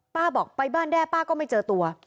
บอกไปบ้านแด้ป้าก็ไม่เจอตัว